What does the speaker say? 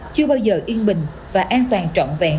chưa bao giờ yên bình và an toàn trọn vẹn